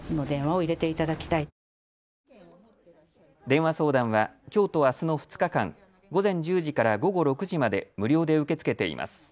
電話相談はきょうとあすの２日間、午前１０時から午後６時まで無料で受け付けています。